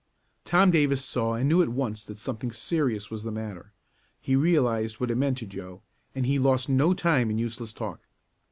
Tom Davis saw and knew at once that something serious was the matter. He realized what it meant to Joe, and he lost no time in useless talk.